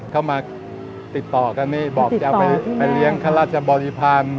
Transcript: เข้ามาติดต่อกันนี่บอกจะเอาไปเลี้ยงข้าราชบริพาณ